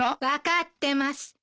分かってます。